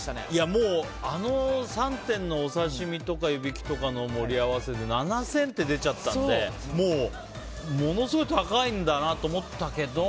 もう、あの３点のお刺し身とか湯引きとかの盛り合わせで７０００円って出ちゃったんでものすごい高いんだなと思ったけど。